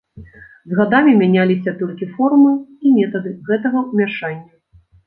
З гадамі мяняліся толькі формы і метады гэтага ўмяшання.